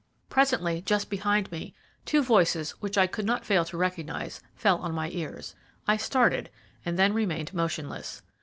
Presently, just behind me, two voices, which I could not fail to recognize, fell on my ears. I started, and then remained motionless.